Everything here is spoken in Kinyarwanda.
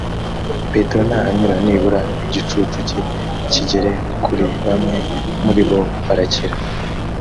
petero nahanyura nibura igicucu cye kigere kuri bamwe muri bo barakira